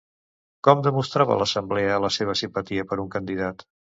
Com demostrava l'Assemblea la seva simpatia per un candidat?